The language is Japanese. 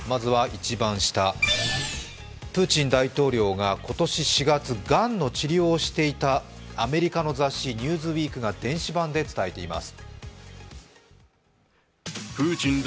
まずは一番下、プーチン大統領が今年４月、がんの治療をしていたと、アメリカの雑誌「ニューズウィーク」が電子版で伝えています。